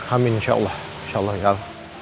amin insya allah insya allah ya al